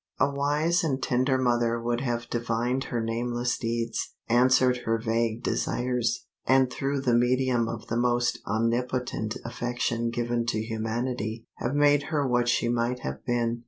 A wise and tender mother would have divined her nameless needs, answered her vague desires, and through the medium of the most omnipotent affection given to humanity, have made her what she might have been.